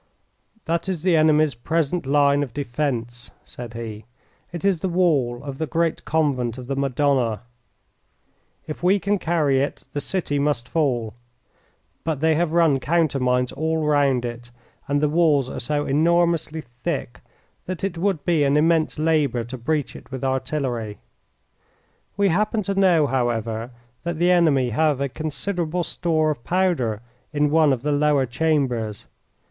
"That is the enemy's present line of defence," said he. "It is the wall of the great Convent of the Madonna. If we can carry it the city must fall, but they have run countermines all round it, and the walls are so enormously thick that it would be an immense labour to breach it with artillery. We happen to know, however, that the enemy have a considerable store of powder in one of the lower chambers.